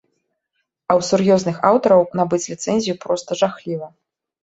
А ў сур'ёзных аўтараў набыць ліцэнзію проста жахліва.